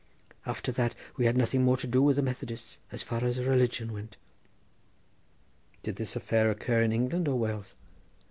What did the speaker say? After that we had nothing more to do with the Methodists as far as religion went." "Did this affair occur in England or Wales?"